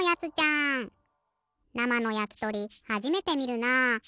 なまのやきとりはじめてみるな。